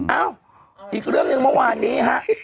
อ้าวอีกเรื่องกันว่านี้ฮะ